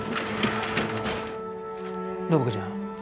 暢子ちゃん